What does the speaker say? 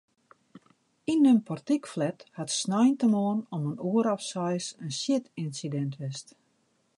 Yn in portykflat hat sneintemoarn om in oere of seis in sjitynsidint west.